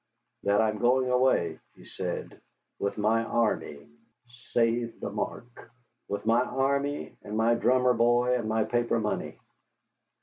"That I am going away," he said, "with my army, (save the mark!), with my army and my drummer boy and my paper money.